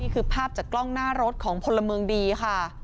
ภาพจากกล้องหน้ารถของพลเมืองดีค่ะ